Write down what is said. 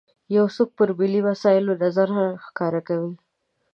یو څوک پر ملي مسایلو نظر ښکاره کوي.